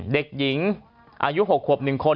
เด็กหญิงอายุ๖ขวบ๑คน